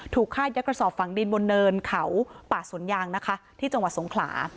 ฆ่ายัดกระสอบฝังดินบนเนินเขาป่าสวนยางนะคะที่จังหวัดสงขลา